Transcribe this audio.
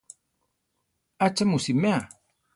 Atza mu simea? ‒.